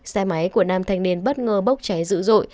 xe máy của nam thanh niên bất ngờ bốc cháy dữ dội